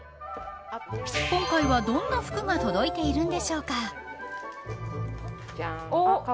今回は、どんな服が届いているんでしょうか。